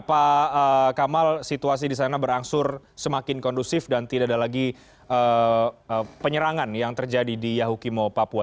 pak kamal situasi di sana berangsur semakin kondusif dan tidak ada lagi penyerangan yang terjadi di yahukimo papua